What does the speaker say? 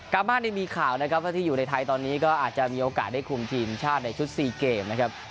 มานี่มีข่าวนะครับว่าที่อยู่ในไทยตอนนี้ก็อาจจะมีโอกาสได้คุมทีมชาติในชุด๔เกมนะครับ